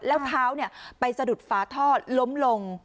แล้วเท้าเนี่ยไปสะดุดฟ้าท่อล้มลง